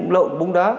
lộn búng đá